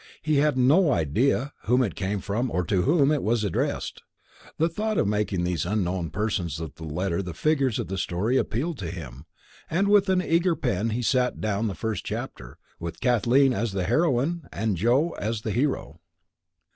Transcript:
He had no idea whom it came from or to whom it was addressed. The thought of making these unknown persons of the letter the figures of the story appealed to him, and with an eager pen he set down the first chapter, with 'Kathleen' as heroine and 'Joe' as hero."